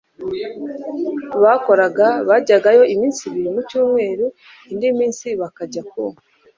bakoraga. bajyagayo iminsi ibiri mu cyumweru indi minsi bakajya ku